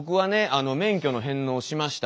あの免許の返納しました。